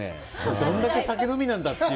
どんだけ酒飲みなんだという。